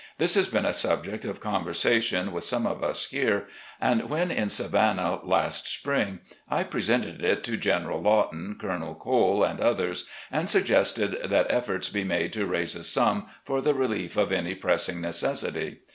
This has been a subject of conver sation with some of us here, and when in Savannah last spring I presented it to General Lawton, Colonel Cole, and others, and suggested that efforts be made to raise a sum for the relief of any pressing necessity.